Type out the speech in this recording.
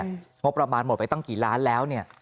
งบประมาณหมดไปตั้งกี่ล้านแล้วเนี่ย